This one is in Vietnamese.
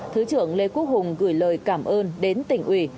thứ trưởng lê quốc hùng gửi lời cảm ơn đến tỉnh ủy